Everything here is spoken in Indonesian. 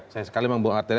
saya sekali membuat artinya